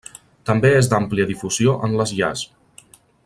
També és d'àmplia difusió en les llars.